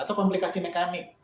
atau komplikasi mekanik